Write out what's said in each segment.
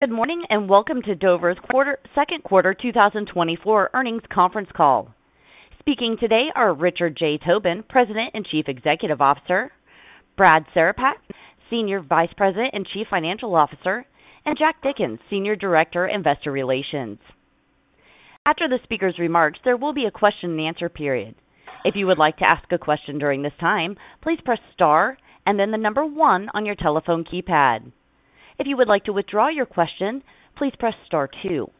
Good morning, and welcome to Dover's Second Quarter 2024 Earnings Conference Call. Speaking today are Richard J. Tobin, President and Chief Executive Officer, Brad Cerepak, Senior Vice President and Chief Financial Officer, and Jack Dickens, Senior Director, Investor Relations. After the speaker's remarks, there will be a question and answer period. If you would like to ask a question during this time, please press star and then the number one on your telephone keypad. If you would like to withdraw your question, please press star two.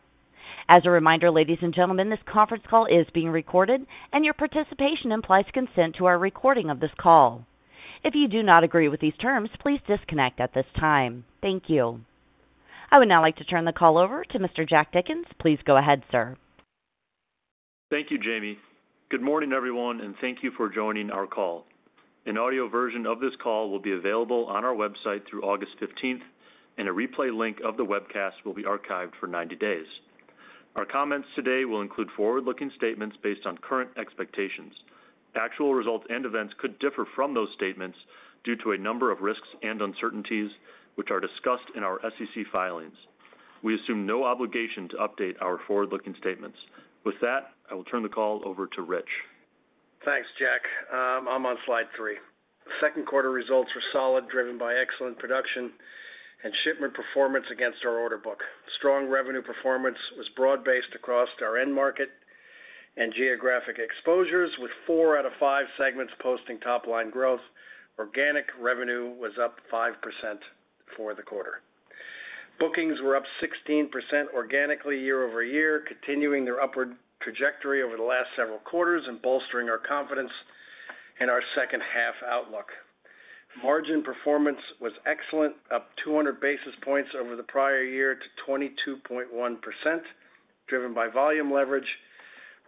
As a reminder, ladies and gentlemen, this conference call is being recorded, and your participation implies consent to our recording of this call. If you do not agree with these terms, please disconnect at this time. Thank you. I would now like to turn the call over to Mr. Jack Dickens. Please go ahead, sir. Thank you, Jamie. Good morning, everyone, and thank you for joining our call. An audio version of this call will be available on our website through August fifteenth, and a replay link of the webcast will be archived for 90 days. Our comments today will include forward-looking statements based on current expectations. Actual results and events could differ from those statements due to a number of risks and uncertainties, which are discussed in our SEC filings. We assume no obligation to update our forward-looking statements. With that, I will turn the call over to Rich. Thanks, Jack. I'm on slide 3. Second quarter results were solid, driven by excellent production and shipment performance against our order book. Strong revenue performance was broad-based across our end market and geographic exposures, with four out of five segments posting top-line growth. Organic revenue was up 5% for the quarter. Bookings were up 16% organically year-over-year, continuing their upward trajectory over the last several quarters and bolstering our confidence in our second-half outlook. Margin performance was excellent, up 200 basis points over the prior year to 22.1%, driven by volume leverage,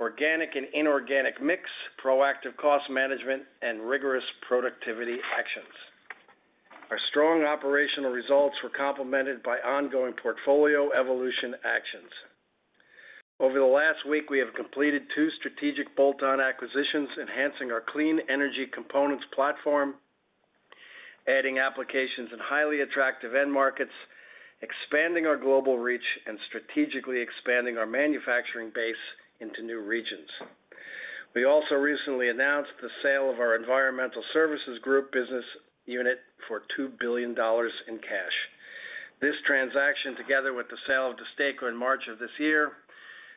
organic and inorganic mix, proactive cost management, and rigorous productivity actions. Our strong operational results were complemented by ongoing portfolio evolution actions. Over the last week, we have completed two strategic bolt-on acquisitions, enhancing our clean energy components platform, adding applications in highly attractive end markets, expanding our global reach, and strategically expanding our manufacturing base into new regions. We also recently announced the sale of our Environmental Solutions Group business unit for $2 billion in cash. This transaction, together with the sale of the Destaco in March of this year,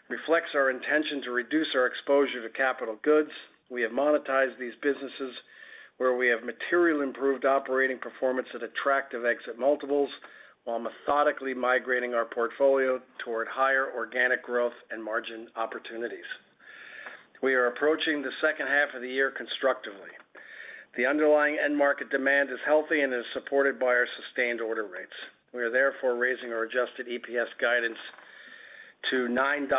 reflects our intention to reduce our exposure to capital goods. We have monetized these businesses where we have materially improved operating performance at attractive exit multiples, while methodically migrating our portfolio toward higher organic growth and margin opportunities. We are approaching the second half of the year constructively. The underlying end market demand is healthy and is supported by our sustained order rates. We are therefore raising our Adjusted EPS guidance to $9.05-$9.20.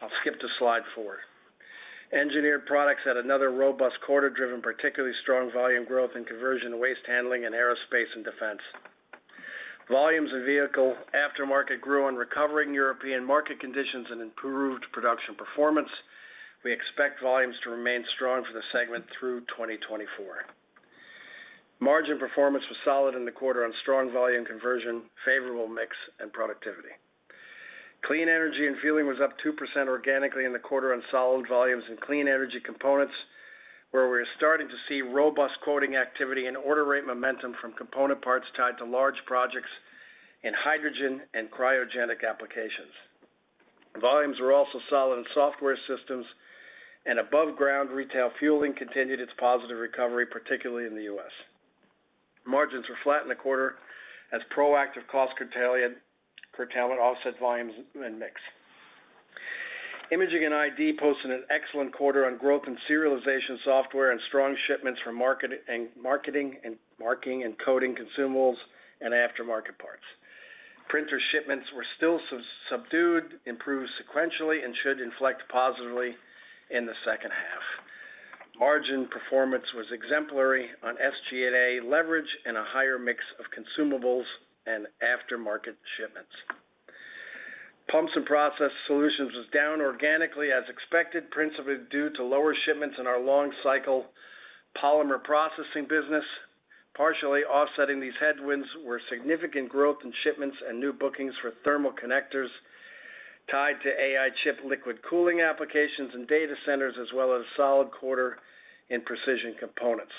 I'll skip to slide 4. Engineered Products had another robust quarter, driven particularly strong volume growth and conversion to waste handling and aerospace and defense. Volumes of vehicle aftermarket grew on recovering European market conditions and improved production performance. We expect volumes to remain strong for the segment through 2024. Margin performance was solid in the quarter on strong volume conversion, favorable mix, and productivity. Clean Energy & Fueling was up 2% organically in the quarter on solid volumes in clean energy components, where we are starting to see robust quoting activity and order rate momentum from component parts tied to large projects in hydrogen and cryogenic applications. Volumes were also solid in software systems, and above ground retail fueling continued its positive recovery, particularly in the US. Margins were flat in the quarter as proactive cost curtailment offset volumes and mix. Imaging & ID posted an excellent quarter on growth in serialization software and strong shipments of marking and coding consumables and aftermarket parts. Printer shipments were still subdued, improved sequentially, and should inflect positively in the second half. Margin performance was exemplary on SG&A leverage and a higher mix of consumables and aftermarket shipments. Pumps & Process Solutions was down organically, as expected, principally due to lower shipments in our long cycle polymer processing business. Partially offsetting these headwinds were significant growth in shipments and new bookings for thermal connectors tied to AI chip liquid cooling applications and data centers, as well as a solid quarter in precision components.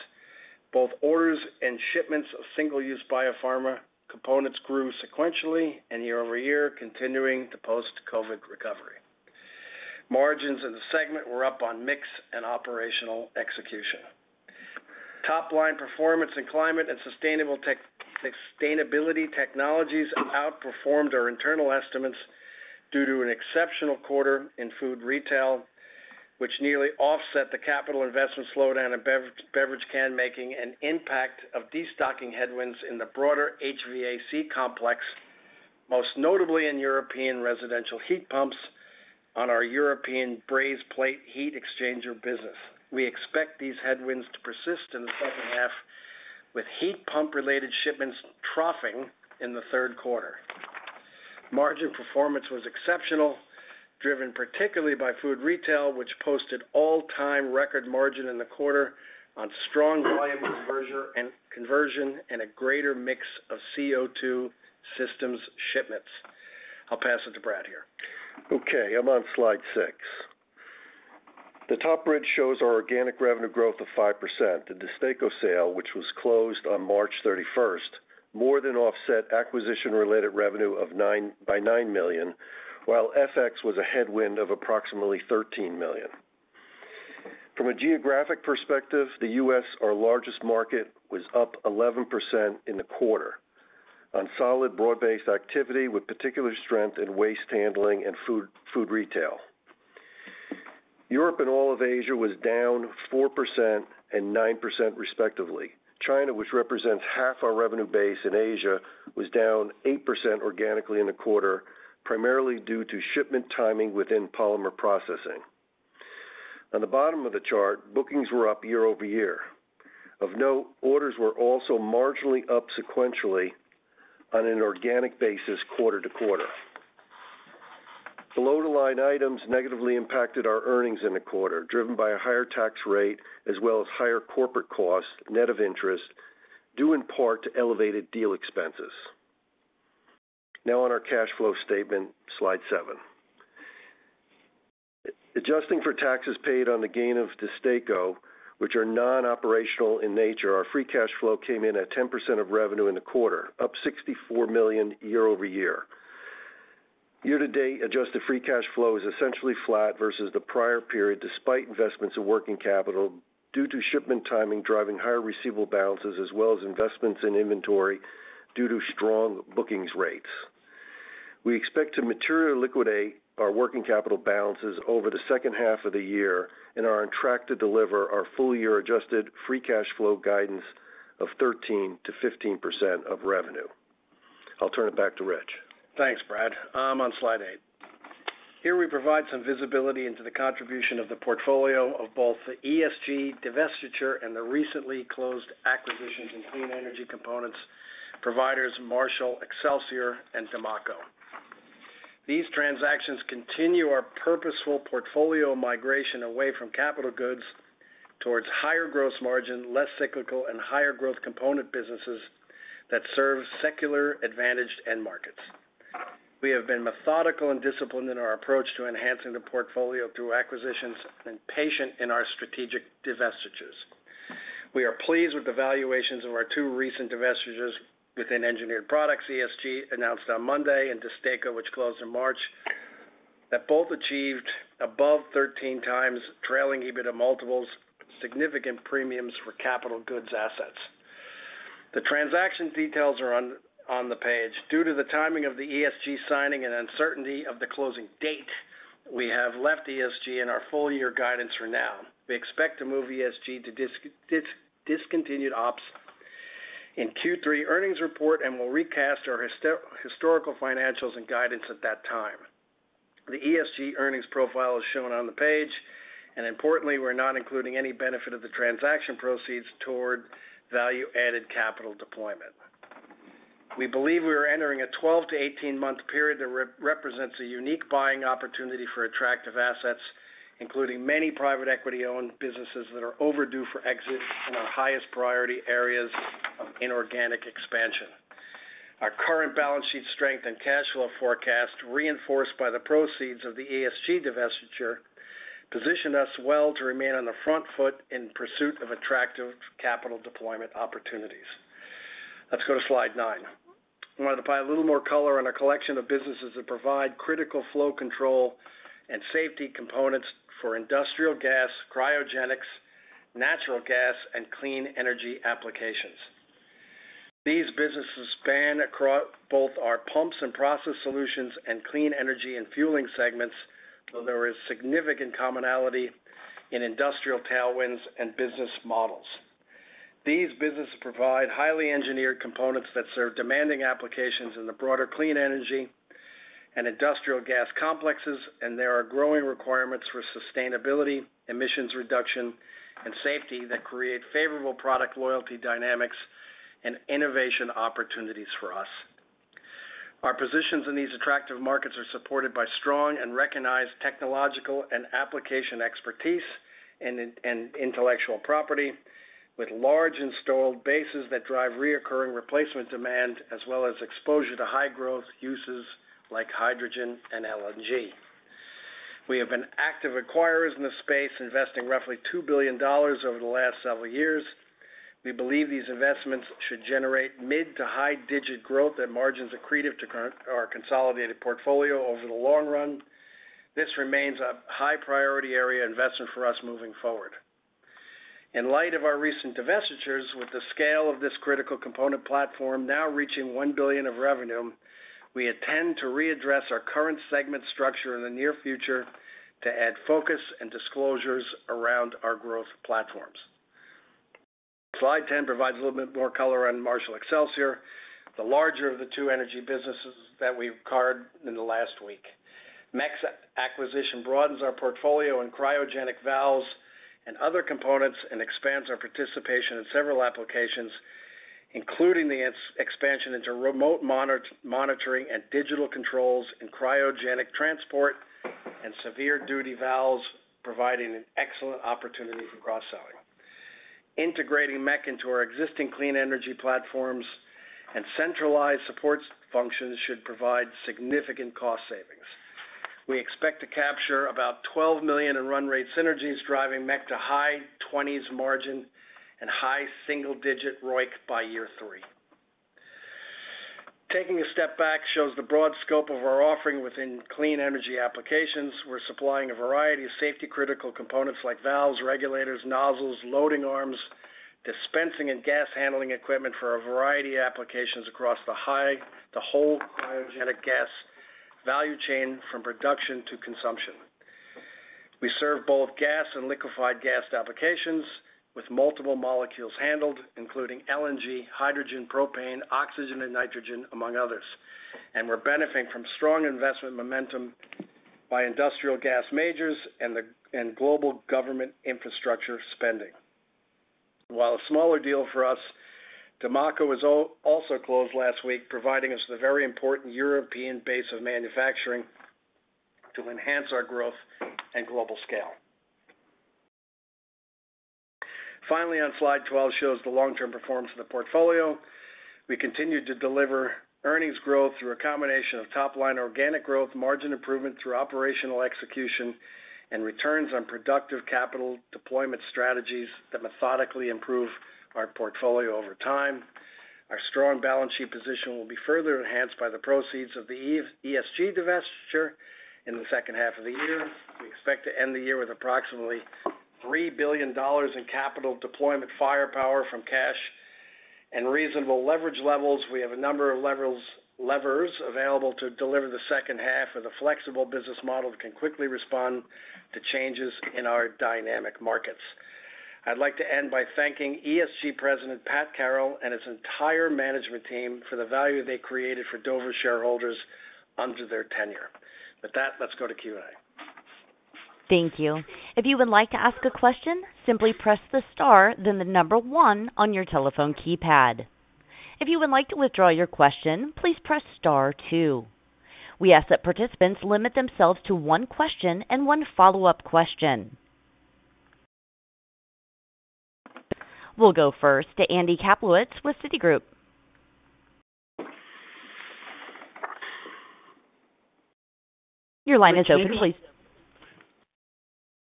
Both orders and shipments of single-use biopharma components grew sequentially and year over year, continuing the post-COVID recovery. Margins in the segment were up on mix and operational execution. Top-line performance in Climate & Sustainability Technologies outperformed our internal estimates due to an exceptional quarter in food retail, which nearly offset the capital investment slowdown in beverage can making and the impact of destocking headwinds in the broader HVAC complex, most notably in European residential heat pumps on our European brazed plate heat exchanger business. We expect these headwinds to persist in the second half, with heat pump-related shipments troughing in the third quarter. Margin performance was exceptional, driven particularly by food retail, which posted all-time record margin in the quarter on strong volume conversion and a greater mix of CO2 systems shipments. I'll pass it to Brad here. Okay, I'm on slide 6. The top bridge shows our organic revenue growth of 5%. The Destaco sale, which was closed on March thirty-first, more than offset acquisition-related revenue of $9.9 million, while FX was a headwind of approximately $13 million. From a geographic perspective, the U.S., our largest market, was up 11% in the quarter on solid broad-based activity, with particular strength in waste handling and food, food retail. Europe and all of Asia was down 4% and 9%, respectively. China, which represents half our revenue base in Asia, was down 8% organically in the quarter, primarily due to shipment timing within polymer processing. On the bottom of the chart, bookings were up year-over-year. Of note, orders were also marginally up sequentially on an organic basis, quarter-over-quarter. Below-the-line items negatively impacted our earnings in the quarter, driven by a higher tax rate as well as higher corporate costs, net of interest, due in part to elevated deal expenses. Now on our cash flow statement, slide 7. Adjusting for taxes paid on the gain of Destaco, which are non-operational in nature, our free cash flow came in at 10% of revenue in the quarter, up $64 million year over year. Year to date, adjusted free cash flow is essentially flat versus the prior period, despite investments in working capital, due to shipment timing, driving higher receivable balances as well as investments in inventory due to strong bookings rates. We expect to materially liquidate our working capital balances over the second half of the year and are on track to deliver our full year adjusted free cash flow guidance of 13%-15% of revenue. I'll turn it back to Rich. Thanks, Brad. I'm on slide 8. Here, we provide some visibility into the contribution of the portfolio of both the ESG divestiture and the recently closed acquisitions in clean energy components, providers Marshall Excelsior, and Demaco. These transactions continue our purposeful portfolio migration away from capital goods towards higher gross margin, less cyclical, and higher growth component businesses that serve secular advantaged end markets. We have been methodical and disciplined in our approach to enhancing the portfolio through acquisitions and patient in our strategic divestitures. We are pleased with the valuations of our two recent divestitures within Engineered Products, ESG, announced on Monday, and Destaco, which closed in March, that both achieved above 13x trailing EBITDA multiples, significant premiums for capital goods assets. The transaction details are on the page. Due to the timing of the ESG signing and uncertainty of the closing date, we have left ESG in our full year guidance for now. We expect to move ESG to discontinued ops in Q3 earnings report, and we'll recast our historical financials and guidance at that time. The ESG earnings profile is shown on the page, and importantly, we're not including any benefit of the transaction proceeds toward value-added capital deployment. We believe we are entering a 12- to 18-month period that represents a unique buying opportunity for attractive assets, including many private equity-owned businesses that are overdue for exit in our highest priority areas of inorganic expansion. Our current balance sheet strength and cash flow forecast, reinforced by the proceeds of the ESG divestiture, position us well to remain on the front foot in pursuit of attractive capital deployment opportunities. Let's go to slide nine. I want to provide a little more color on our collection of businesses that provide critical flow control and safety components for industrial gas, cryogenics, natural gas, and clean energy applications. These businesses span across both our Pumps & Process Solutions and Clean Energy & Fueling segments, though there is significant commonality in industrial tailwinds and business models. These businesses provide highly engineered components that serve demanding applications in the broader clean energy and industrial gas complexes, and there are growing requirements for sustainability, emissions reduction, and safety that create favorable product loyalty dynamics and innovation opportunities for us. Our positions in these attractive markets are supported by strong and recognized technological and application expertise and intellectual property, with large installed bases that drive recurring replacement demand, as well as exposure to high growth uses like hydrogen and LNG. We have been active acquirers in this space, investing roughly $2 billion over the last several years. We believe these investments should generate mid- to high-digit growth and margins accretive to current, our consolidated portfolio over the long run. This remains a high priority area investment for us moving forward. In light of our recent divestitures, with the scale of this critical component platform now reaching $1 billion of revenue, we intend to readdress our current segment structure in the near future to add focus and disclosures around our growth platforms. Slide 10 provides a little bit more color on Marshall Excelsior, the larger of the two energy businesses that we've acquired in the last week. MEC's acquisition broadens our portfolio in cryogenic valves and other components, and expands our participation in several applications, including the expansion into remote monitoring and digital controls and cryogenic transport and severe duty valves, providing an excellent opportunity for cross-selling. Integrating MEC into our existing clean energy platforms and centralized support functions should provide significant cost savings. We expect to capture about $12 million in run rate synergies, driving MEC to high 20s margin and high single-digit ROIC by year three. Taking a step back shows the broad scope of our offering within clean energy applications. We're supplying a variety of safety critical components like valves, regulators, nozzles, loading arms, dispensing and gas handling equipment for a variety of applications across the whole cryogenic gas value chain, from production to consumption. We serve both gas and liquefied gas applications with multiple molecules handled, including LNG, hydrogen, propane, oxygen and nitrogen, among others. And we're benefiting from strong investment momentum by industrial gas majors and the and global government infrastructure spending. While a smaller deal for us, Demaco was also closed last week, providing us with a very important European base of manufacturing to enhance our growth and global scale. Finally, on Slide 12, shows the long-term performance of the portfolio. We continued to deliver earnings growth through a combination of top line organic growth, margin improvement through operational execution, and returns on productive capital deployment strategies that methodically improve our portfolio over time. Our strong balance sheet position will be further enhanced by the proceeds of the ESG divestiture in the second half of the year. We expect to end the year with approximately $3 billion in capital deployment firepower from cash and reasonable leverage levels. We have a number of levers available to deliver the second half of the flexible business model that can quickly respond to changes in our dynamic markets. I'd like to end by thanking ESG President, Pat Carroll, and his entire management team for the value they created for Dover shareholders under their tenure. With that, let's go to Q&A. Thank you. If you would like to ask a question, simply press the star, then the number one on your telephone keypad. If you would like to withdraw your question, please press star two. We ask that participants limit themselves to one question and one follow-up question. We'll go first to Andy Kaplowitz with Citigroup. Your line is open, please.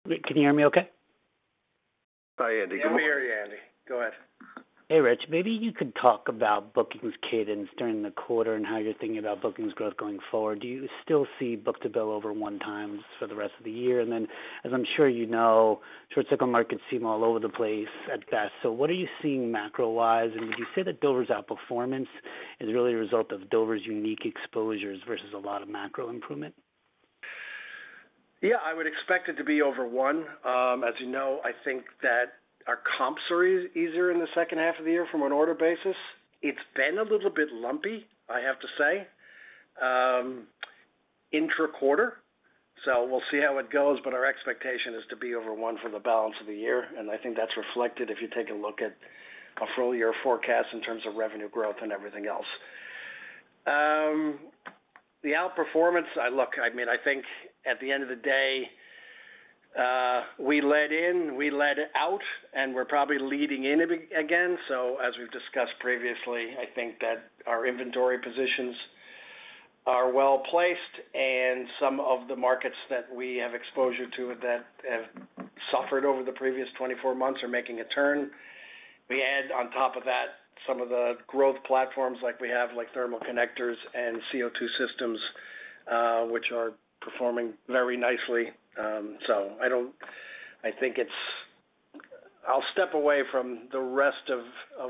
Can you hear me okay? Hi, Andy. We hear you, Andy. Go ahead. Hey, Rich. Maybe you could talk about bookings cadence during the quarter and how you're thinking about bookings growth going forward. Do you still see book-to-bill over 1x for the rest of the year? And then, as I'm sure you know, short cycle markets seem all over the place at best. So what are you seeing macro-wise, and would you say that Dover's outperformance is really a result of Dover's unique exposures versus a lot of macro improvement? Yeah, I would expect it to be over one. As you know, I think that our comps are easier in the second half of the year from an order basis. It's been a little bit lumpy, I have to say, intra-quarter, so we'll see how it goes, but our expectation is to be over one for the balance of the year, and I think that's reflected if you take a look at a full year forecast in terms of revenue growth and everything else. The outperformance, I mean, I think at the end of the day, we led in, we led out, and we're probably leading in again. So as we've discussed previously, I think that our inventory positions are well placed, and some of the markets that we have exposure to that have suffered over the previous 24 months are making a turn. We add on top of that, some of the growth platforms, like we have, like thermal connectors and CO2 systems, which are performing very nicely. So I think it's... I'll step away from the rest of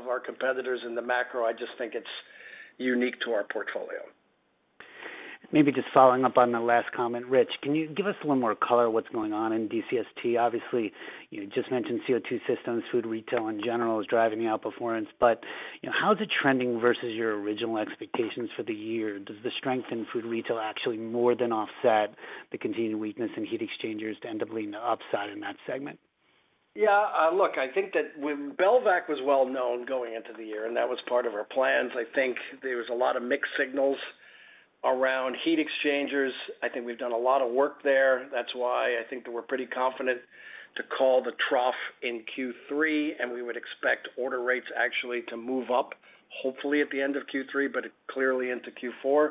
our competitors in the macro. I just think it's unique to our portfolio. Maybe just following up on the last comment. Rich, can you give us a little more color on what's going on in CST? Obviously, you just mentioned CO2 systems. Food retail, in general, is driving the outperformance, but, you know, how is it trending versus your original expectations for the year? Does the strength in food retail actually more than offset the continued weakness in heat exchangers to end up being the upside in that segment? Yeah. Look, I think that when Belvac was well known going into the year, and that was part of our plans, I think there was a lot of mixed signals around heat exchangers. I think we've done a lot of work there. That's why I think that we're pretty confident to call the trough in Q3, and we would expect order rates actually to move up, hopefully at the end of Q3, but clearly into Q4.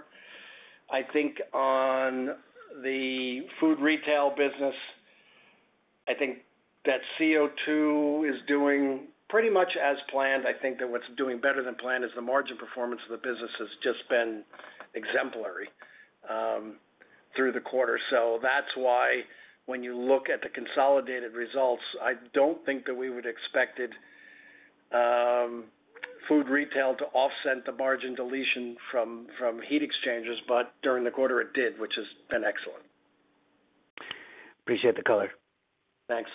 I think on the food retail business, I think that CO2 is doing pretty much as planned. I think that what's doing better than planned is the margin performance of the business has just been exemplary through the quarter. So that's why when you look at the consolidated results, I don't think that we would've expected, food retail to offset the margin deletion from, from heat exchangers, but during the quarter it did, which has been excellent. Appreciate the color. Thanks.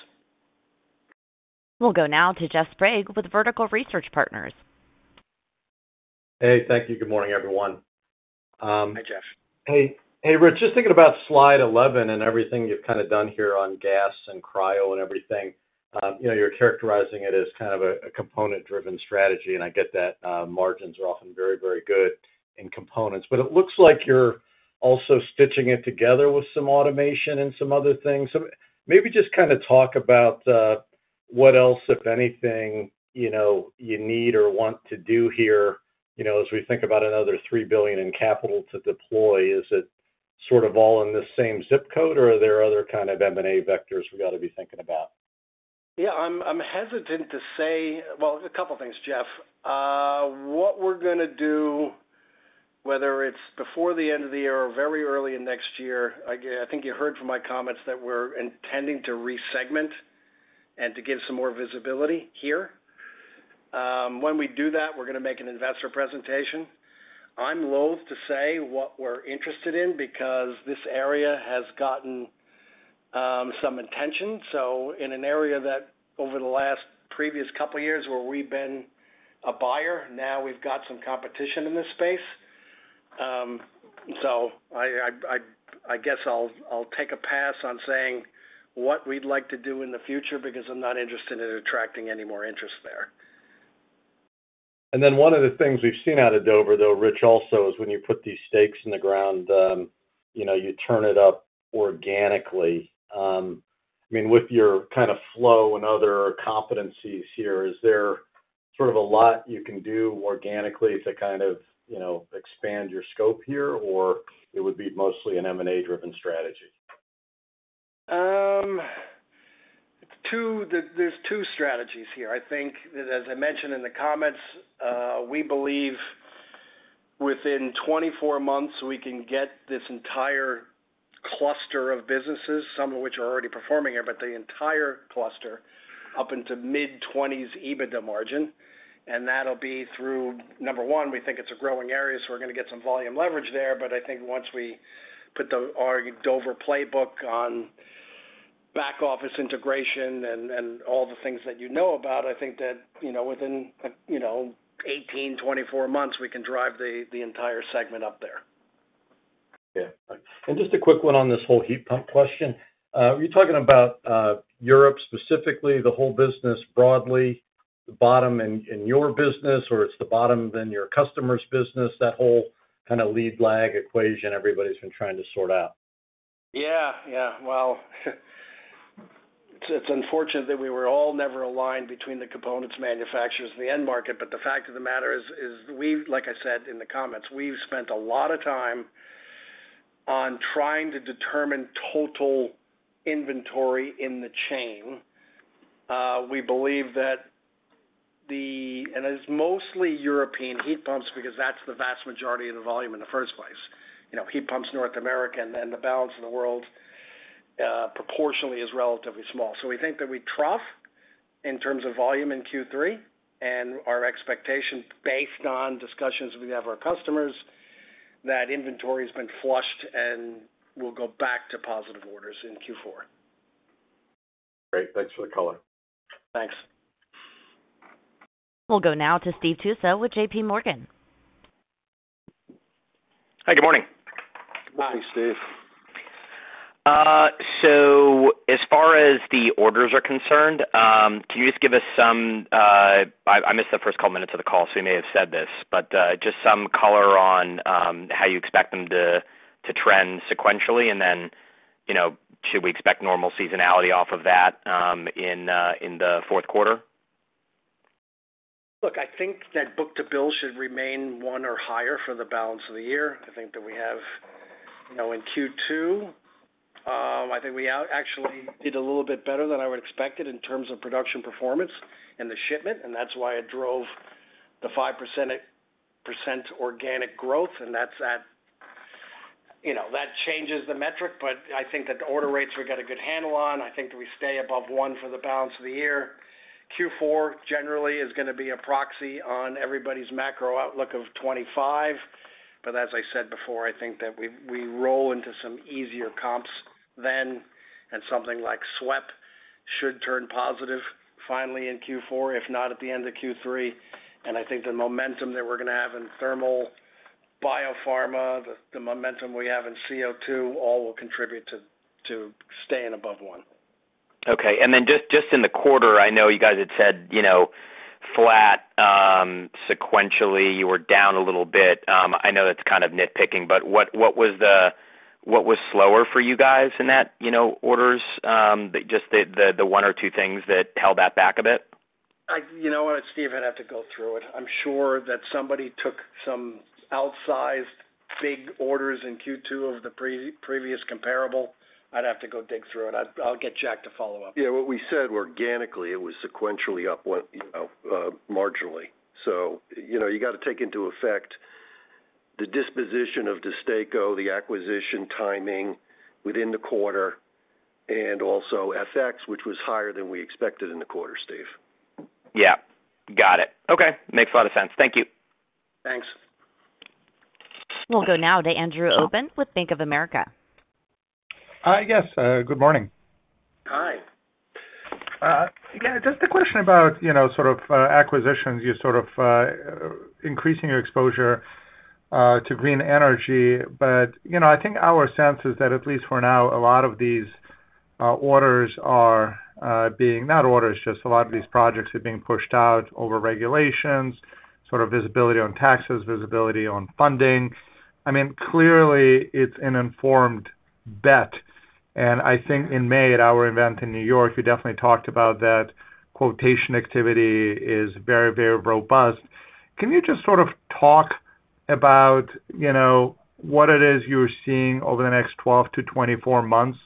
We'll go now to Jeff Sprague with Vertical Research Partners.... Hey, thank you. Good morning, everyone. Hi, Jeff. Hey. Hey, Rich, just thinking about slide 11 and everything you've kind of done here on gas and cryo and everything. You know, you're characterizing it as kind of a component-driven strategy, and I get that, margins are often very, very good in components. But it looks like you're also stitching it together with some automation and some other things. So maybe just kind of talk about, what else, if anything, you know, you need or want to do here, you know, as we think about another $3 billion in capital to deploy, is it sort of all in the same zip code, or are there other kind of M&A vectors we ought to be thinking about? Yeah, I'm hesitant to say, well, a couple things, Jeff. What we're gonna do, whether it's before the end of the year or very early in next year, I think you heard from my comments that we're intending to re-segment and to give some more visibility here. When we do that, we're gonna make an investor presentation. I'm loathe to say what we're interested in because this area has gotten some attention. So in an area that over the last previous couple of years where we've been a buyer, now we've got some competition in this space. So I guess I'll take a pass on saying what we'd like to do in the future because I'm not interested in attracting any more interest there. And then one of the things we've seen out of Dover, though, Rich, also, is when you put these stakes in the ground, you know, you turn it up organically. I mean, with your kind of flow and other competencies here, is there sort of a lot you can do organically to kind of, you know, expand your scope here, or it would be mostly an M&A-driven strategy? There are two strategies here. I think that, as I mentioned in the comments, we believe within 24 months, we can get this entire cluster of businesses, some of which are already performing here, but the entire cluster up into mid-20s EBITDA margin, and that'll be through, number one, we think it's a growing area, so we're gonna get some volume leverage there. But I think once we put our Dover playbook on back office integration and all the things that you know about, I think that, you know, within 18-24 months, we can drive the entire segment up there. Yeah. And just a quick one on this whole heat pump question. Were you talking about, Europe, specifically, the whole business broadly, the bottom in your business, or it's the bottom, then your customer's business, that whole kind of lead lag equation everybody's been trying to sort out? Yeah, yeah. Well, it's unfortunate that we were all never aligned between the components manufacturers and the end market, but the fact of the matter is, we've, like I said in the comments, we've spent a lot of time on trying to determine total inventory in the chain. We believe that the... And it's mostly European heat pumps because that's the vast majority of the volume in the first place. You know, heat pumps, North America, and then the balance of the world, proportionally is relatively small. So we think that we trough in terms of volume in Q3, and our expectation, based on discussions we have with our customers, that inventory has been flushed, and we'll go back to positive orders in Q4. Great. Thanks for the color. Thanks. We'll go now to Steve Tusa with J.P. Morgan. Hi, good morning. Good morning, Steve. So as far as the orders are concerned, can you just give us some, I missed the first couple minutes of the call, so you may have said this, but just some color on how you expect them to trend sequentially, and then, you know, should we expect normal seasonality off of that, in the fourth quarter? Look, I think that book-to-bill should remain 1 or higher for the balance of the year. I think that we have, you know, in Q2, I think we out- actually did a little bit better than I would expected in terms of production performance and the shipment, and that's why it drove the 5%, percent organic growth, and that's at, you know, that changes the metric, but I think that the order rates we've got a good handle on. I think we stay above 1 for the balance of the year. Q4 generally is gonna be a proxy on everybody's macro outlook of 25. But as I said before, I think that we, we roll into some easier comps then, and something like SWEP should turn positive finally in Q4, if not at the end of Q3. I think the momentum that we're gonna have in thermal, biopharma, the momentum we have in CO2, all will contribute to staying above one. Okay. And then just in the quarter, I know you guys had said, you know, flat, sequentially, you were down a little bit. I know that's kind of nitpicking, but what was slower for you guys in that, you know, orders, just the one or two things that held that back a bit? You know what, Steve? I'd have to go through it. I'm sure that somebody took some outsized, big orders in Q2 over the previous comparable. I'd have to go dig through it. I'll get Jack to follow up. Yeah, what we said organically, it was sequentially up, what, you know, marginally. So, you know, you got to take into effect the disposition of Destaco, the acquisition timing within the quarter, and also FX, which was higher than we expected in the quarter, Steve. Yeah, got it. Okay, makes a lot of sense. Thank you. Thanks. We'll go now to Andrew Obin with Bank of America. Hi, yes. Good morning.... Yeah, just a question about, you know, sort of, acquisitions. You're sort of, increasing your exposure, to green energy, but, you know, I think our sense is that, at least for now, a lot of these, orders are, being-- not orders, just a lot of these projects are being pushed out over regulations, sort of visibility on taxes, visibility on funding. I mean, clearly, it's an informed bet, and I think in May, at our event in New York, you definitely talked about that quotation activity is very, very robust. Can you just sort of talk about, you know, what it is you're seeing over the next 12 to 24 months,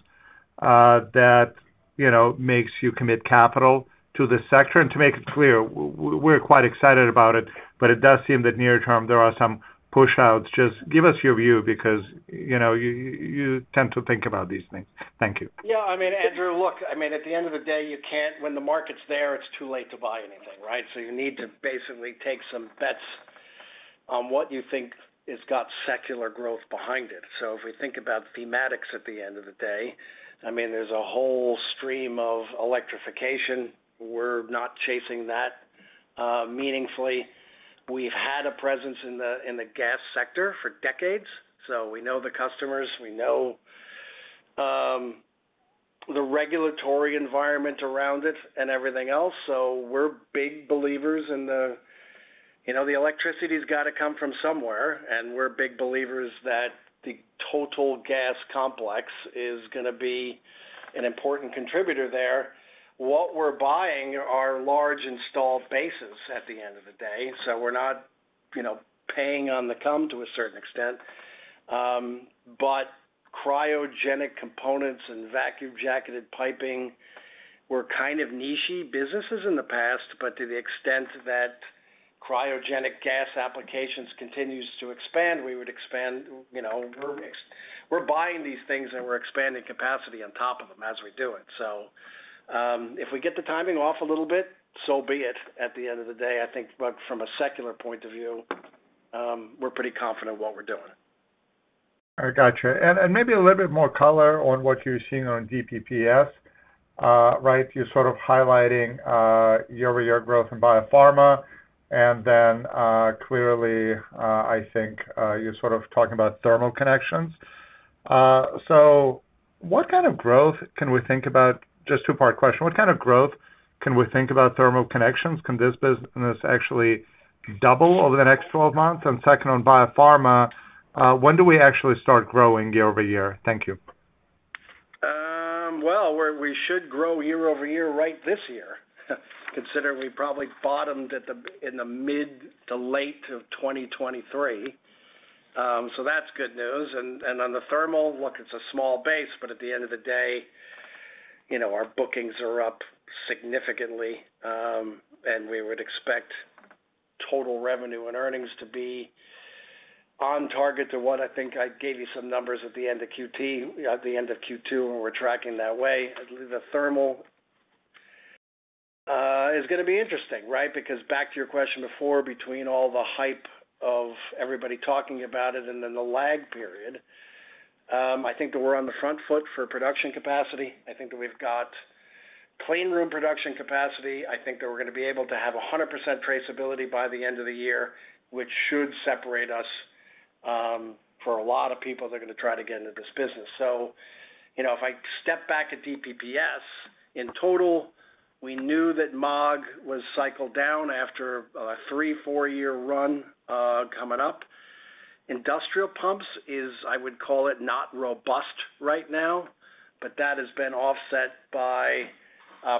that, you know, makes you commit capital to this sector? To make it clear, we're quite excited about it, but it does seem that near term, there are some push outs. Just give us your view, because, you know, you tend to think about these things. Thank you. Yeah, I mean, Andrew, look, I mean, at the end of the day, you can't, when the market's there, it's too late to buy anything, right? So you need to basically take some bets on what you think has got secular growth behind it. So if we think about thematics at the end of the day, I mean, there's a whole stream of electrification. We're not chasing that meaningfully. We've had a presence in the gas sector for decades, so we know the customers. We know the regulatory environment around it and everything else, so we're big believers in the... You know, the electricity's got to come from somewhere, and we're big believers that the total gas complex is gonna be an important contributor there. What we're buying are large installed bases at the end of the day, so we're not, you know, paying on the come to a certain extent. But cryogenic components and vacuum-jacketed piping were kind of niche-y businesses in the past, but to the extent that cryogenic gas applications continues to expand, we would expand, you know, we're buying these things, and we're expanding capacity on top of them as we do it. So, if we get the timing off a little bit, so be it. At the end of the day, I think, but from a secular point of view, we're pretty confident in what we're doing. I got you. And maybe a little bit more color on what you're seeing on DPPS. Right, you're sort of highlighting year-over-year growth in biopharma, and then clearly I think you're sort of talking about thermal connectors. So what kind of growth can we think about. Just two-part question. What kind of growth can we think about thermal connectors? Can this business actually double over the next 12 months? And second, on biopharma, when do we actually start growing year-over-year? Thank you. Well, we should grow year over year right this year, considering we probably bottomed in the mid- to late 2023. So that's good news. And on the thermal, look, it's a small base, but at the end of the day, you know, our bookings are up significantly, and we would expect total revenue and earnings to be on target to what I think I gave you some numbers at the end of QT, the end of Q2, and we're tracking that way. I believe the thermal is gonna be interesting, right? Because back to your question before, between all the hype of everybody talking about it and then the lag period, I think that we're on the front foot for production capacity. I think that we've got clean room production capacity. I think that we're gonna be able to have 100% traceability by the end of the year, which should separate us, for a lot of people that are gonna try to get into this business. So, you know, if I step back at DPPS, in total, we knew that Maag was cycled down after a three- or four-year run, coming up. Industrial pumps is, I would call it, not robust right now, but that has been offset by,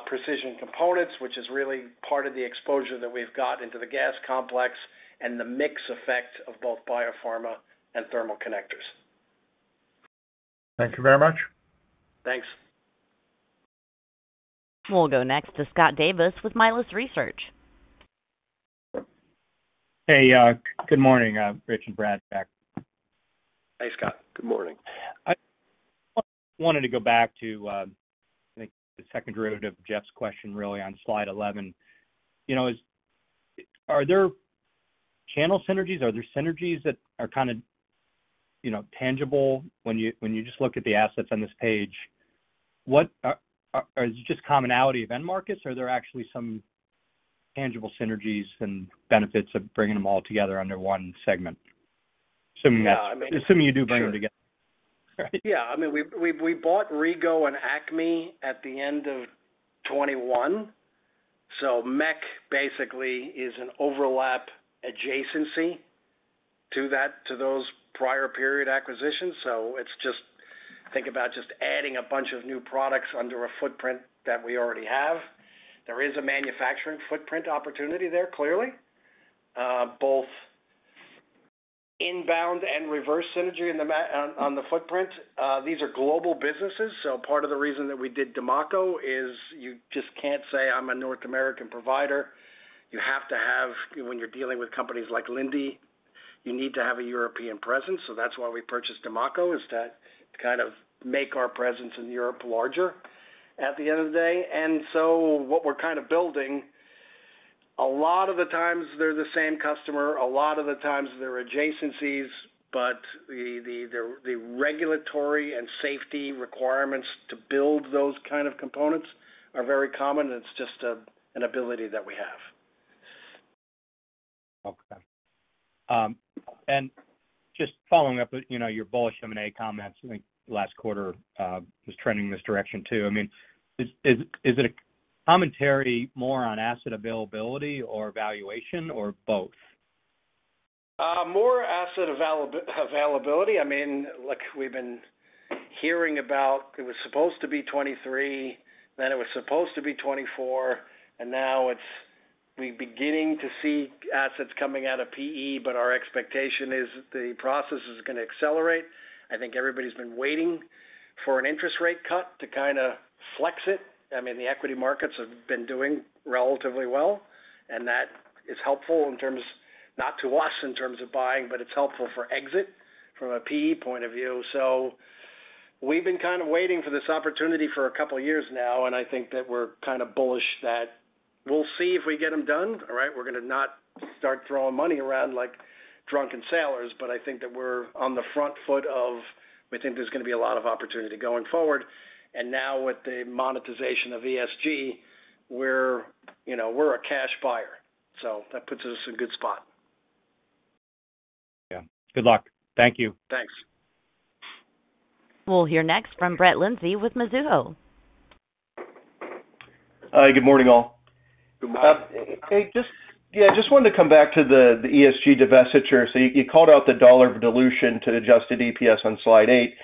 precision components, which is really part of the exposure that we've got into the gas complex and the mix effect of both biopharma and thermal connectors. Thank you very much. Thanks. We'll go next to Scott Davis with Melius Research. Hey, good morning, Rich and Brad. Hey, Scott. Good morning. I wanted to go back to, I think, the second derivative of Jeff's question, really on slide 11. You know, is- are there channel synergies? Are there synergies that are kind of, you know, tangible when you, when you just look at the assets on this page? What are, are- is it just commonality of end markets, or are there actually some tangible synergies and benefits of bringing them all together under one segment? Assuming that's- Yeah, I mean- Assuming you do bring them together. Sure. Right. Yeah, I mean, we bought RegO and Acme at the end of 2021, so MEC basically is an overlap adjacency to that to those prior period acquisitions. So it's just, think about just adding a bunch of new products under a footprint that we already have. There is a manufacturing footprint opportunity there, clearly, both inbound and reverse synergy in the manufacturing footprint. These are global businesses, so part of the reason that we did Demaco is you just can't say, "I'm a North American provider." You have to have... When you're dealing with companies like Linde, you need to have a European presence, so that's why we purchased Demaco, is to kind of make our presence in Europe larger at the end of the day. And so what we're kind of building... A lot of the times they're the same customer, a lot of the times they're adjacencies, but the regulatory and safety requirements to build those kind of components are very common, and it's just an ability that we have. Okay. Just following up with, you know, your bullish M&A comments, I think last quarter was trending in this direction, too. I mean, is, is, is it a commentary more on asset availability or valuation, or both? More asset availability. I mean, look, we've been hearing about it was supposed to be 2023, then it was supposed to be 2024, and now it's-- we're beginning to see assets coming out of PE, but our expectation is the process is gonna accelerate. I think everybody's been waiting for an interest rate cut to kind of flex it. I mean, the equity markets have been doing relatively well, and that is helpful in terms-- not to us, in terms of buying, but it's helpful for exit from a PE point of view. So we've been kind of waiting for this opportunity for a couple years now, and I think that we're kind of bullish that we'll see if we get them done, all right? We're gonna not start throwing money around like drunken sailors, but I think that we're on the front foot of, we think there's gonna be a lot of opportunity going forward. And now with the monetization of ESG, we're, you know, we're a cash buyer, so that puts us in a good spot. Yeah. Good luck. Thank you. Thanks. We'll hear next from Brett Linzey with Mizuho. Hi, good morning, all. Good morning. Hey, just, yeah, just wanted to come back to the ESG divestiture. So you called out the dollar dilution to adjusted EPS on slide 8.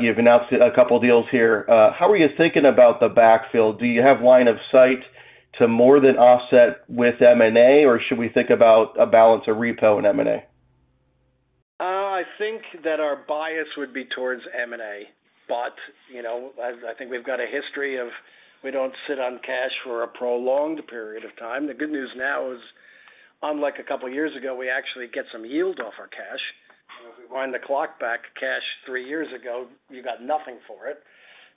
You've announced a couple deals here. How are you thinking about the backfill? Do you have line of sight to more than offset with M&A, or should we think about a balance of repo and M&A? I think that our bias would be towards M&A, but you know, as I think we've got a history of, we don't sit on cash for a prolonged period of time. The good news now is, unlike a couple of years ago, we actually get some yield off our cash. If we wind the clock back, cash three years ago, you got nothing for it.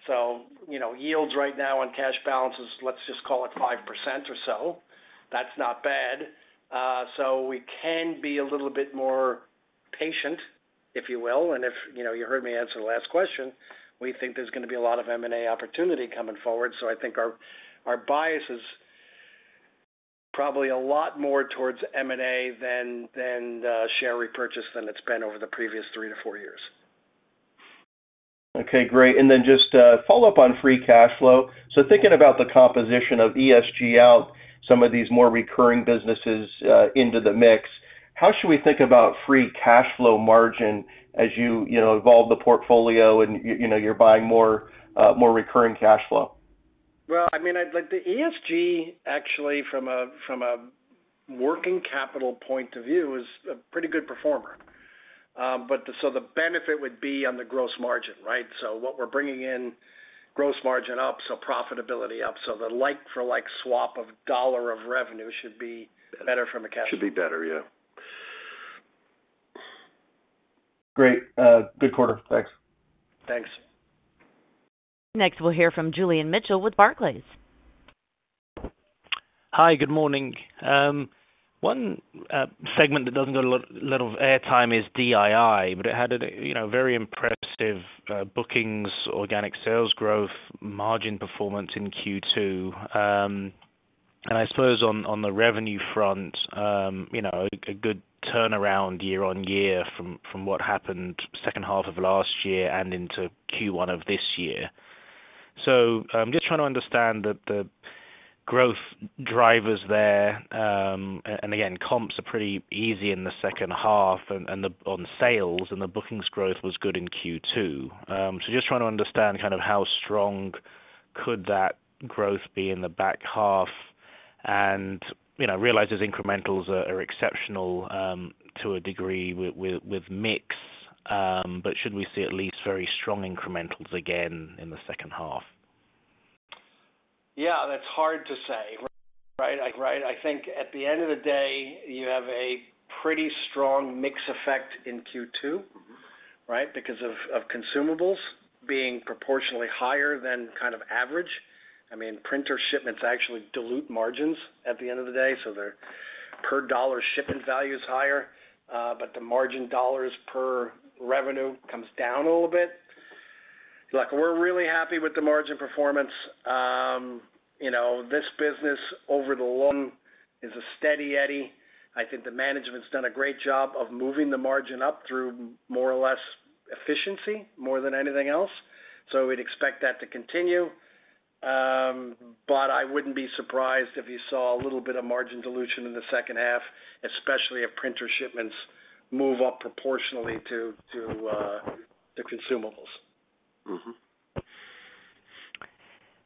So, you know, yields right now on cash balances, let's just call it 5% or so. That's not bad. So we can be a little bit more patient, if you will, and if, you know, you heard me answer the last question, we think there's gonna be a lot of M&A opportunity coming forward. So I think our, our bias is probably a lot more towards M&A than, than, share repurchase than it's been over the previous three to four years. Okay, great. And then just, follow up on free cash flow. So thinking about the composition of ESG out, some of these more recurring businesses, into the mix, how should we think about free cash flow margin as you, you know, evolve the portfolio and you know, you're buying more, more recurring cash flow? Well, I mean, I'd like, the ESG, actually, from a working capital point of view, is a pretty good performer. But so the benefit would be on the gross margin, right? So what we're bringing in gross margin up, so profitability up, so the like-for-like swap of dollar of revenue should be better from a cash- Should be better, yeah. Great. Good quarter. Thanks. Thanks. Next, we'll hear from Julian Mitchell with Barclays. Hi, good morning. One segment that doesn't get a lot of airtime is Imaging & ID, but it had, you know, very impressive bookings, organic sales growth, margin performance in Q2. And I suppose on the revenue front, you know, a good turnaround year-on-year from what happened second half of last year and into Q1 of this year. So I'm just trying to understand the growth drivers there, and again, comps are pretty easy in the second half and on sales, and the bookings growth was good in Q2. So just trying to understand kind of how strong could that growth be in the back half. You know, I realize those incrementals are exceptional to a degree with mix, but should we see at least very strong incrementals again in the second half? Yeah, that's hard to say, right? I, right, I think at the end of the day, you have a pretty strong mix effect in Q2- Right? Because of consumables being proportionally higher than kind of average. I mean, printer shipments actually dilute margins at the end of the day, so their per dollar shipment value is higher, but the margin dollars per revenue comes down a little bit. Look, we're really happy with the margin performance. You know, this business over the long is a steady eddy. I think the management's done a great job of moving the margin up through more or less efficiency, more than anything else. So we'd expect that to continue. But I wouldn't be surprised if you saw a little bit of margin dilution in the second half, especially if printer shipments move up proportionally to the consumables.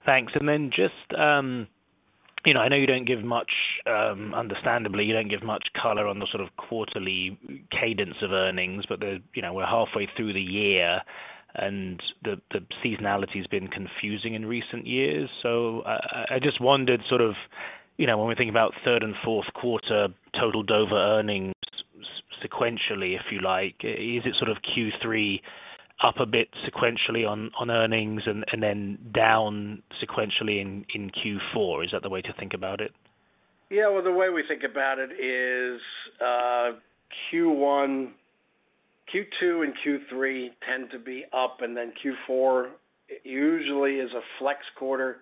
Thanks. And then just, you know, I know you don't give much, understandably, you don't give much color on the sort of quarterly cadence of earnings, but, you know, we're halfway through the year, and the seasonality has been confusing in recent years. So I just wondered, sort of, you know, when we think about third and fourth quarter total Dover earnings, sequentially, if you like, is it sort of Q3 up a bit sequentially on earnings and then down sequentially in Q4? Is that the way to think about it? Yeah, well, the way we think about it is, Q1, Q2 and Q3 tend to be up, and then Q4 usually is a flex quarter,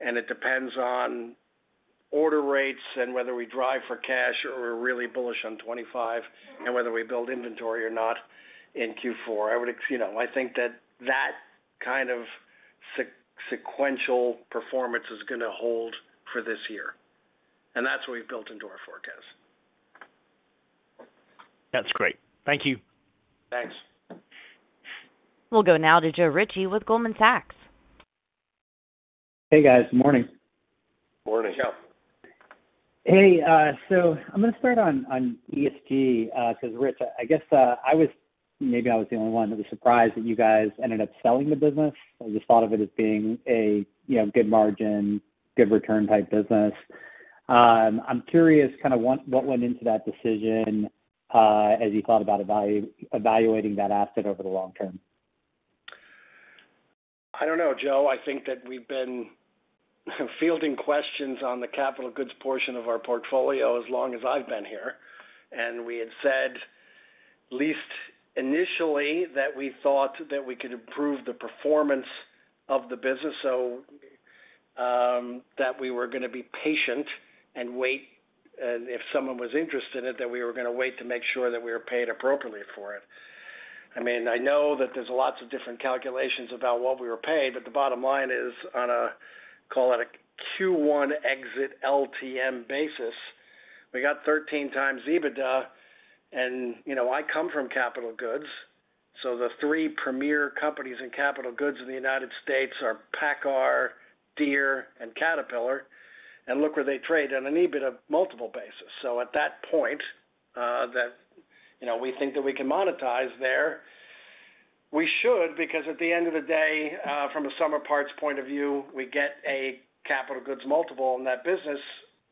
and it depends on order rates and whether we drive for cash or we're really bullish on 25, and whether we build inventory or not in Q4. I would, you know, I think that that kind of sequential performance is gonna hold for this year, and that's what we've built into our forecast. That's great. Thank you. Thanks. We'll go now to Joe Ritchie with Goldman Sachs. Hey, guys. Morning. Morning. Hey, so I'm gonna start on ESG, 'cause Rich, I guess, I was, maybe I was the only one that was surprised that you guys ended up selling the business. I just thought of it as being a, you know, good margin, good return type business. I'm curious kind of what went into that decision, as you thought about evaluating that asset over the long term? I don't know, Joe. I think that we've been fielding questions on the capital goods portion of our portfolio as long as I've been here, and we had said, at least initially, that we thought that we could improve the performance of the business. So, that we were gonna be patient and wait, and if someone was interested in it, that we were gonna wait to make sure that we were paid appropriately for it. I mean, I know that there's lots of different calculations about what we were paid, but the bottom line is, on a, call it a Q1 exit LTM basis, we got 13 times EBITDA, and, you know, I come from capital goods. So the three premier companies in capital goods in the United States are PACCAR, Deere and Caterpillar, and look where they trade on an EBITDA multiple basis. So at that point, you know, we think that we can monetize there, we should, because at the end of the day, from a summer parts point of view, we get a capital goods multiple. In that business,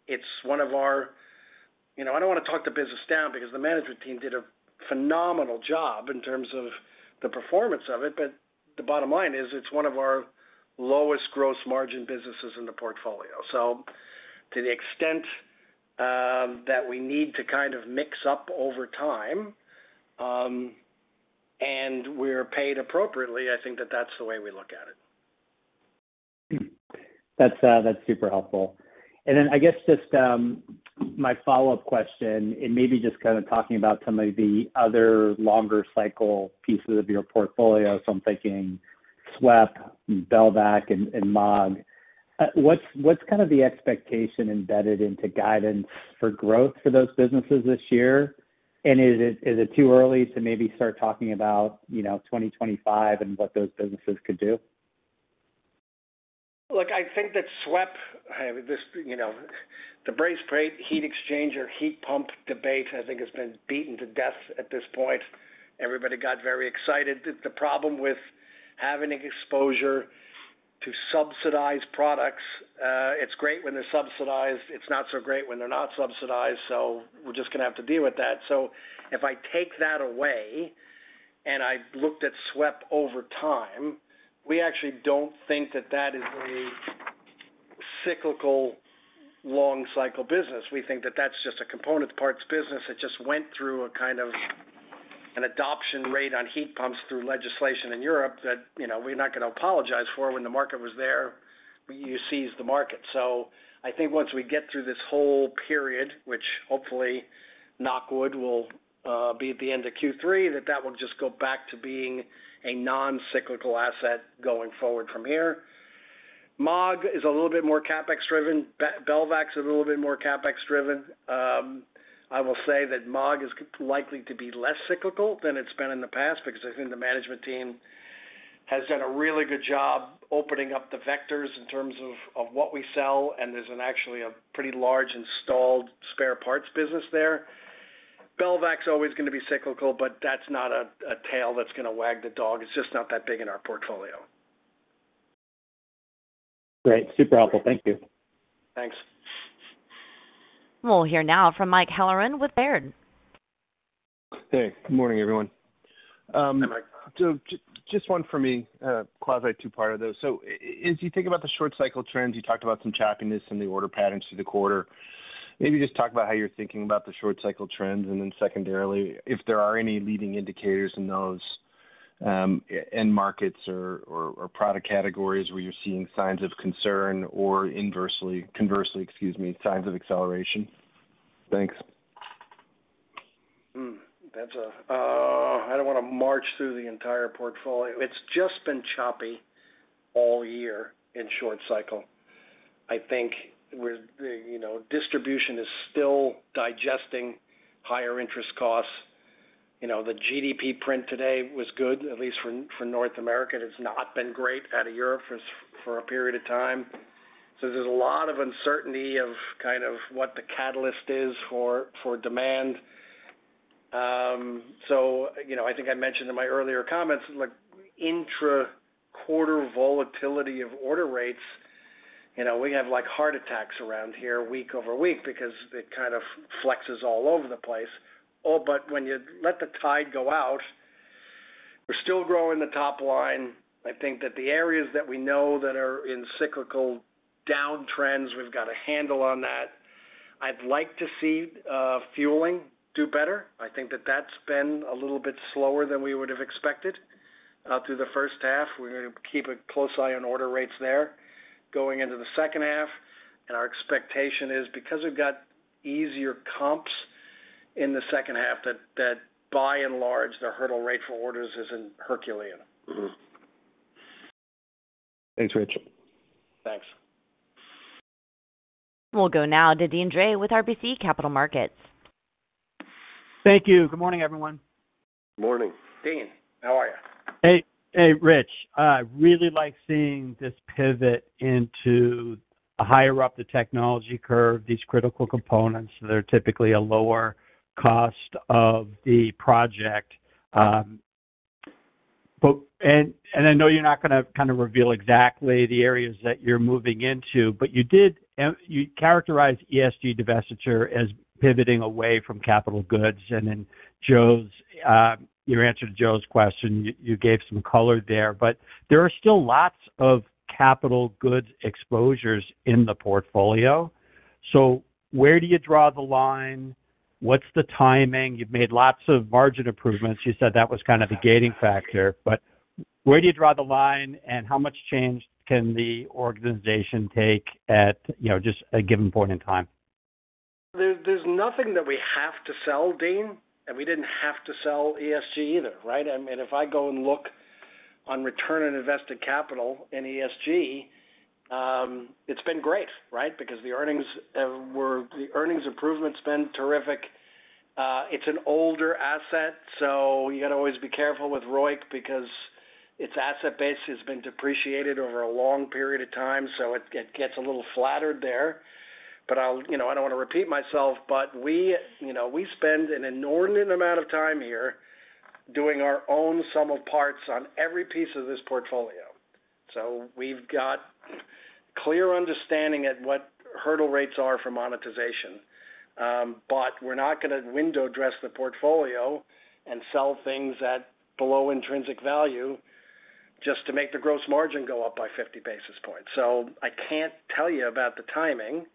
it's one of our... You know, I don't wanna talk the business down because the management team did a phenomenal job in terms of the performance of it, but the bottom line is, it's one of our lowest gross margin businesses in the portfolio. So to the extent that we need to kind of mix up over time, and we're paid appropriately, I think that that's the way we look at it. That's, that's super helpful. And then I guess just my follow-up question, and maybe just kind of talking about some of the other longer cycle pieces of your portfolio, so I'm thinking SWEP, Belvac and Maag. What's kind of the expectation embedded into guidance for growth for those businesses this year? And is it too early to maybe start talking about, you know, 2025 and what those businesses could do? Look, I think that SWEP, you know, the brazed plate heat exchanger, heat pump debate, I think, has been beaten to death at this point. Everybody got very excited. The problem with having exposure to subsidized products, it's great when they're subsidized. It's not so great when they're not subsidized, so we're just gonna have to deal with that. So if I take that away and I've looked at SWEP over time, we actually don't think that that is a cyclical, long cycle business. We think that that's just a component parts business that just went through a kind of an adoption rate on heat pumps through legislation in Europe that, you know, we're not gonna apologize for. When the market was there, you seize the market. So I think once we get through this whole period, which hopefully, knock wood, will be at the end of Q3, that that will just go back to being a non-cyclical asset going forward from here. Maag is a little bit more CapEx driven. Belvac's a little bit more CapEx driven. I will say that Maag is likely to be less cyclical than it's been in the past because I think the management team has done a really good job opening up the vectors in terms of, of what we sell, and there's actually a pretty large installed spare parts business there. Belvac's always gonna be cyclical, but that's not a, a tail that's gonna wag the dog. It's just not that big in our portfolio. Great. Super helpful. Thank you. Thanks. We'll hear now from Mike Halloran with Baird. Hey, good morning, everyone. Hi, Mike. So just one for me, quasi two-parter, though. So as you think about the short cycle trends, you talked about some choppiness in the order patterns for the quarter. Maybe just talk about how you're thinking about the short cycle trends, and then secondarily, if there are any leading indicators in those end markets or product categories where you're seeing signs of concern or inversely - conversely, excuse me, signs of acceleration? Thanks. That's a... I don't wanna march through the entire portfolio. It's just been choppy all year in short cycle. I think we're, you know, distribution is still digesting higher interest costs. You know, the GDP print today was good, at least for, for North America. It has not been great out of Europe for, for a period of time. So there's a lot of uncertainty of kind of what the catalyst is for, for demand, so, you know, I think I mentioned in my earlier comments, like, intra-quarter volatility of order rates, you know, we have, like, heart attacks around here week over week because it kind of flexes all over the place. All but when you let the tide go out, we're still growing the top line. I think that the areas that we know that are in cyclical downtrends, we've got a handle on that. I'd like to see fueling do better. I think that's been a little bit slower than we would have expected through the first half. We're gonna keep a close eye on order rates there going into the second half, and our expectation is because we've got easier comps in the second half, that by and large, the hurdle rate for orders isn't Herculean. Thanks, Rich. Thanks. We'll go now to Deane Dray with RBC Capital Markets. Thank you. Good morning, everyone. Morning. Deane, how are you? Hey, hey, Rich. I really like seeing this pivot into a higher up the technology curve, these critical components that are typically a lower cost of the project. But, and I know you're not gonna kind of reveal exactly the areas that you're moving into, but you did-- you characterized ESG divestiture as pivoting away from capital goods, and then Joe's your answer to Joe's question, you gave some color there. But there are still lots of capital goods exposures in the portfolio. So where do you draw the line? What's the timing? You've made lots of margin improvements. You said that was kind of the gating factor, but where do you draw the line, and how much change can the organization take at, you know, just a given point in time? There's nothing that we have to sell, Deane, and we didn't have to sell ESG either, right? I mean, if I go and look on return on invested capital in ESG, it's been great, right? Because the earnings improvement's been terrific. It's an older asset, so you gotta always be careful with ROIC because its asset base has been depreciated over a long period of time, so it gets a little flattered there. But I'll. You know, I don't want to repeat myself, but we, you know, we spend an inordinate amount of time here doing our own sum of parts on every piece of this portfolio. So we've got clear understanding at what hurdle rates are for monetization, but we're not gonna window dress the portfolio and sell things at below intrinsic value just to make the gross margin go up by 50 basis points. So I can't tell you about the timing.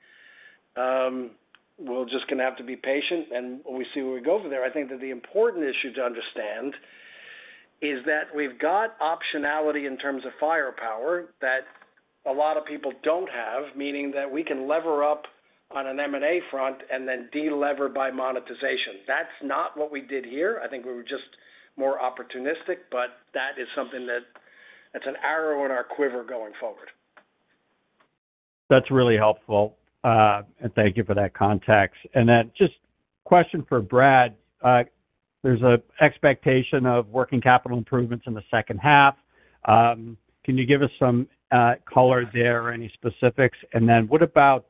We're just gonna have to be patient, and we see where we go from there. I think that the important issue to understand is that we've got optionality in terms of firepower that a lot of people don't have, meaning that we can lever up on an M&A front and then de-lever by monetization. That's not what we did here. I think we were just more opportunistic, but that is something that, that's an arrow in our quiver going forward. That's really helpful, and thank you for that context. And then just question for Brad. There's an expectation of working capital improvements in the second half. Can you give us some color there or any specifics? And then what about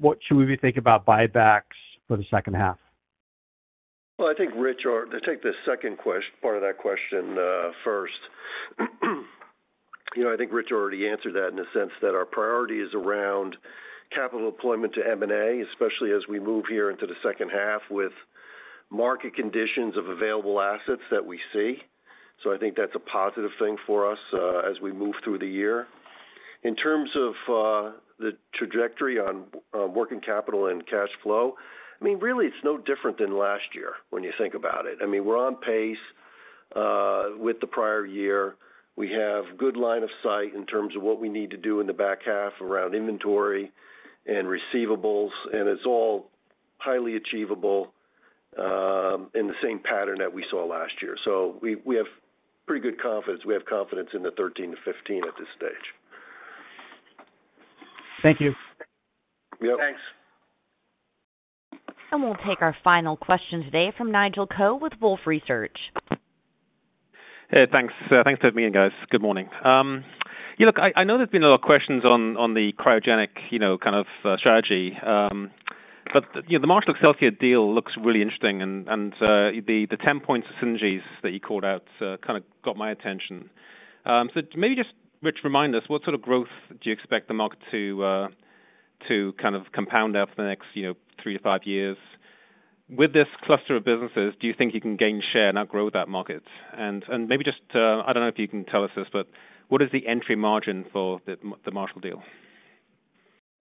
what should we be thinking about buybacks for the second half? Well, I think Rich, or to take the second part of that question, first. You know, I think Rich already answered that in the sense that our priority is around capital deployment to M&A, especially as we move here into the second half with market conditions of available assets that we see. So I think that's a positive thing for us, as we move through the year. In terms of the trajectory on working capital and cash flow, I mean, really, it's no different than last year when you think about it. I mean, we're on pace with the prior year. We have good line of sight in terms of what we need to do in the back half around inventory and receivables, and it's all highly achievable, in the same pattern that we saw last year. So we have pretty good confidence. We have confidence in the 13-15 at this stage. Thank you. Yep. Thanks. We'll take our final question today from Nigel Coe with Wolfe Research. Hey, thanks. Thanks for taking me in, guys. Good morning. Yeah, look, I know there's been a lot of questions on the cryogenic, you know, kind of strategy. But, you know, the Marshall Excelsior deal looks really interesting, and the 10-point synergies that you called out kind of got my attention. So maybe just, Rich, remind us, what sort of growth do you expect the market to kind of compound out for the next, you know, three to five years? With this cluster of businesses, do you think you can gain share, not grow that market? And maybe just, I don't know if you can tell us this, but what is the entry margin for the Marshall deal?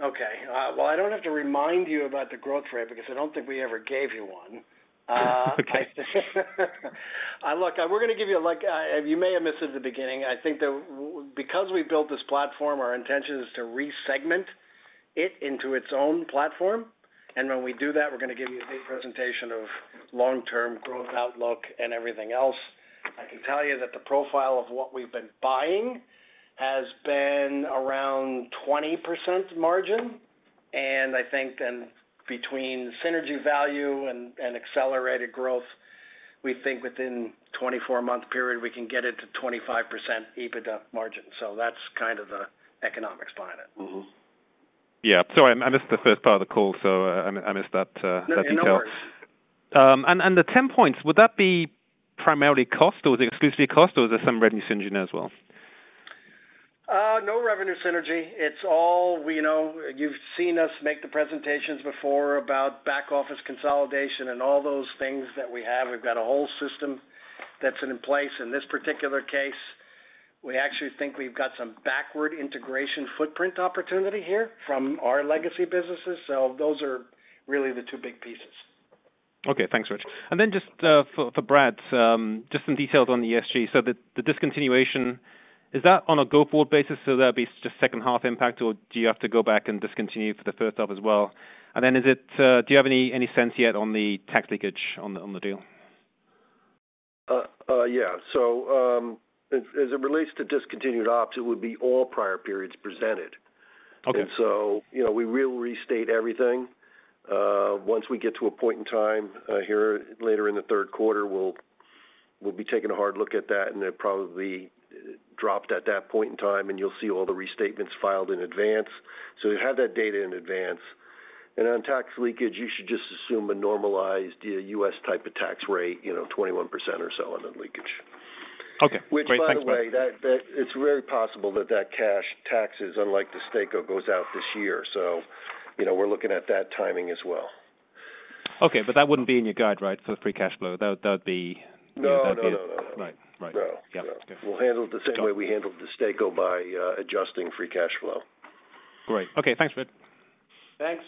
Okay. Well, I don't have to remind you about the growth rate because I don't think we ever gave you one. Okay. Look, we're gonna give you a look. You may have missed it at the beginning. I think that because we built this platform, our intention is to re-segment it into its own platform. And when we do that, we're gonna give you a big presentation of long-term growth outlook and everything else. I can tell you that the profile of what we've been buying has been around 20% margin, and I think then between synergy value and, and accelerated growth, we think within 24-month period, we can get it to 25% EBITDA margin. So that's kind of the economics behind it. Mm-hmm. Yeah, sorry, I missed the first part of the call, so I missed that detail. No, no worries. The 10 points, would that be primarily cost, or is it exclusively cost, or is there some revenue synergy as well? No revenue synergy. It's all, you know. You've seen us make the presentations before about back office consolidation and all those things that we have. We've got a whole system that's in place. In this particular case, we actually think we've got some backward integration footprint opportunity here from our legacy businesses. So those are really the two big pieces. Okay, thanks, Rich. And then just for Brad, just some details on the ESG. So the discontinuation, is that on a go-forward basis, so that'd be just second half impact, or do you have to go back and discontinue for the first half as well? And then is it, do you have any sense yet on the tax leakage on the deal? Yeah. So, as it relates to discontinued ops, it would be all prior periods presented. Okay. And so, you know, we will restate everything. Once we get to a point in time, here, later in the third quarter, we'll, we'll be taking a hard look at that, and it probably dropped at that point in time, and you'll see all the restatements filed in advance. So we have that data in advance. And on tax leakage, you should just assume a normalized U.S. type of tax rate, you know, 21% or so on the leakage. Okay. Great. Thanks, Brad. Which, by the way, it's very possible that cash taxes, unlike the Destaco, goes out this year. So, you know, we're looking at that timing as well. Okay, but that wouldn't be in your guide, right, for the free cash flow? That would, that would be- No, no, no, no, no. Right. Right. No. Yeah. We'll handle it the same way we handled the Destaco by adjusting free cash flow. Great. Okay, thanks, Brad. Thanks.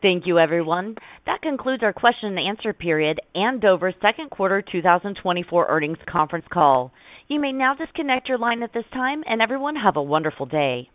Thank you, everyone. That concludes our question and answer period and Dover second quarter 2024 earnings conference call. You may now disconnect your line at this time, and everyone, have a wonderful day.